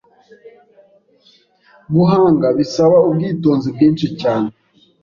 guhanga bisaba ubwitonzi bwinshi cyane